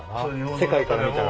世界から見たら。